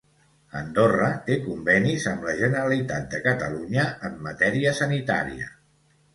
Andorra té convenis amb la Generalitat de Catalunya en matèria sanitària.